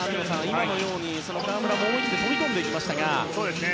今のように河村も思い切って飛び込みましたが。